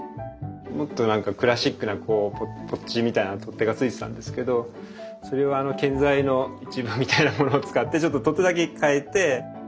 もっとなんかクラシックなこうポッチみたいな取っ手がついてたんですけどそれは建材の一部みたいなものを使ってちょっと取っ手だけ替えて。